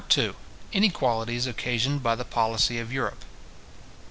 —Inequalities occasioned by the Policy of Europe.